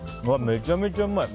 めちゃめちゃうまい。